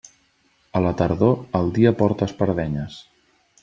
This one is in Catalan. A la tardor, el dia porta espardenyes.